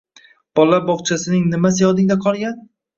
Bolalar bog‘chasining nimasi yodingda qolgan?